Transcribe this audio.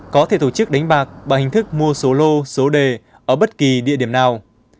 có thể tổ chức đánh bạc bằng hình thức mua số lô số đề ở bất kỳ địa điểm nào